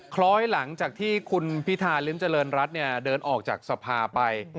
คล้อยหลังจากที่คุณพิธาริมเจริญรัฐเดินออกจากสภาไป